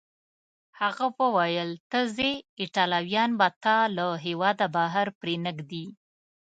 هغه وویل: ته ځې، ایټالویان به تا له هیواده بهر پرېنږدي.